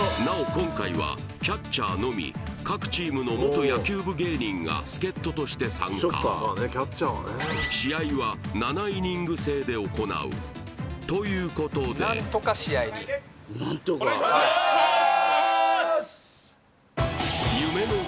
今回はキャッチャーのみ各チームの元野球部芸人が助っ人として参加で行うということでお願いします！